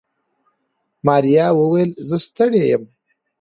ماريا وويل زه ستړې يم.